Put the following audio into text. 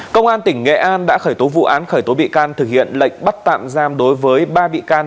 công an tỉnh nghệ an đã khởi tố vụ án khởi tố bị can thực hiện lệnh bắt tạm giam đối với ba bị can